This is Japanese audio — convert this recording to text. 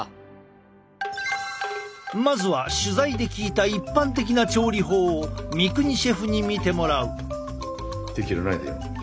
まずは取材で聞いた一般的な調理法を三國シェフに見てもらう。